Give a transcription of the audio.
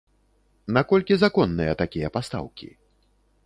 Наколькі законныя такія пастаўкі?